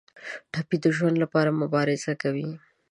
ټپي د ژوند لپاره مبارزه کوي.